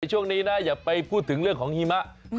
ช่วงนี้นะอย่าไปพูดถึงเรื่องของหิมะ